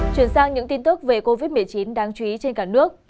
chuyển sang những tin tức về covid một mươi chín đáng chú ý trên cả nước